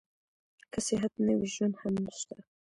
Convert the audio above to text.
که صحت نه وي ژوند هم نشته.